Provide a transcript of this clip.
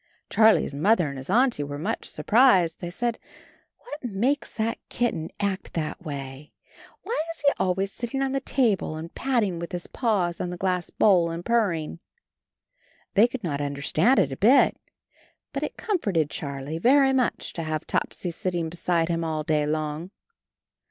Charlie's Mother and his Auntie were much surprised. They said, "What makes that kitten act like that? Why is he always sitting on the table, and patting with his paws on the glass bowl, and purring?" They could not understand it a bit. But it comforted Charlie very much to have Topsy sitting beside him all day long.